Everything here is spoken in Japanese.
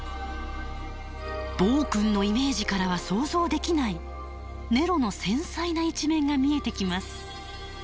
暴君のイメージからは想像できないネロの繊細な一面が見えてきます。